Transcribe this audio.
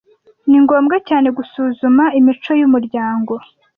Ni ngombwa cyane gusuzuma imico yumuryango.